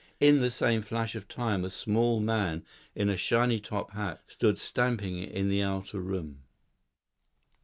In the same flash of time a small man in a shiny top hat stood stamping in the outer room.